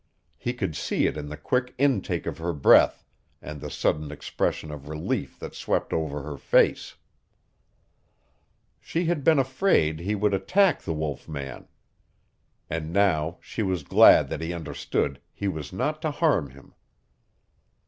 He could see it in the quick intake of her breath and the sudden expression of relief that swept over her face. She had been afraid he would attack the wolf man. And now she was glad that he understood he was not to harm him.